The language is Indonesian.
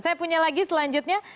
saya punya lagi selanjutnya